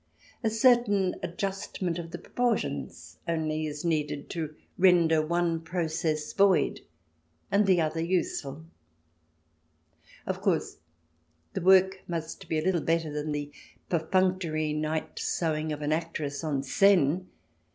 A certain adjustment of the proportions only is needed to render one process void and the other useful. Of course, the work must be a little better than the perfunctory night's sewing of an actress en scene.